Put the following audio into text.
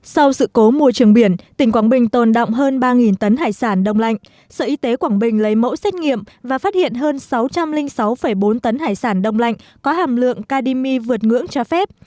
sau sự cố môi trường biển tỉnh quảng bình tồn động hơn ba tấn hải sản đông lạnh sở y tế quảng bình lấy mẫu xét nghiệm và phát hiện hơn sáu trăm linh sáu bốn tấn hải sản đông lạnh có hàm lượng kdmi vượt ngưỡng cho phép